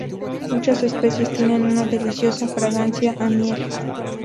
Muchas especies tienen una deliciosa fragancia a miel.